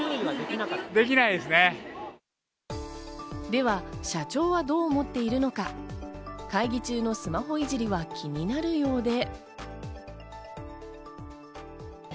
では、社長はどう思っているのか、会議中のスマホいじりは気になるようで。